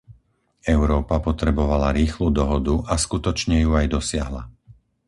Európa potrebovala rýchlu dohodu a skutočne ju aj dosiahla.